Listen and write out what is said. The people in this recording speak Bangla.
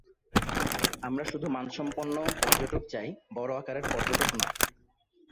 আমরা শুধু মানসম্পন্ন পর্যটক চাই, বড় আকারের পর্যটক নয়।